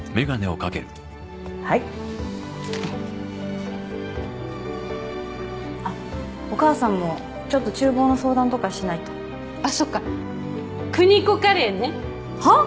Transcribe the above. はいあっお母さんもちょっとちゅう房の相談とかしないとあっそっか邦子カレーねはあ？